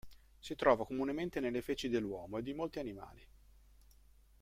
Si trova comunemente nelle feci dell'uomo e di molti animali.